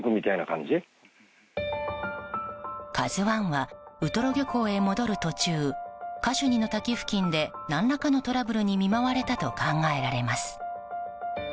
「ＫＡＺＵ１」はウトロ漁港へ戻る途中カシュニの滝付近で何らかのトラブルに見舞われたと考えられます。